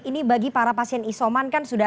ini bagi para pasien isoman kan sudah